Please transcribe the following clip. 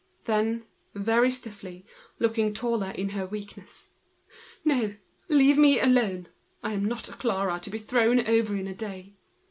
Then, very stiff, looking taller in her weakness: "No, leave me alone! I am not a Clara, to be thrown over in a day.